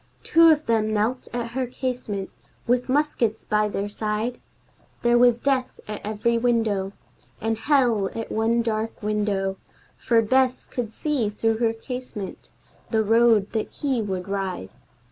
Two of them knelt at her casement, with muskets by their side; There was Death at every window, And Hell at one dark window, For Bess could see, through her casement, the road that he would ride.